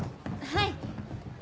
はい。